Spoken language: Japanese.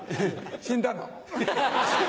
死んだの？